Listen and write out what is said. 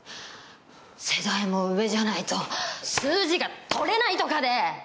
世代も上じゃないと数字が取れないとかで。